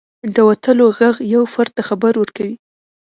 • د وتلو ږغ یو فرد ته خبر ورکوي.